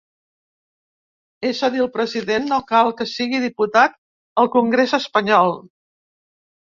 És a dir, el president no cal que sigui diputat al congrés espanyol.